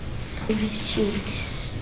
うれしいです。